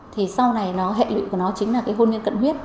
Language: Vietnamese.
thì sau này nó hệ lụy của nó chính là cái hôn nhân cận huyết